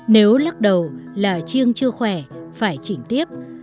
nếu lắc đầu là chiêng chưa khỏe phải chỉnh tiếp